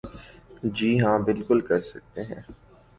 جی ہاں بالکل کر سکتے ہیں ۔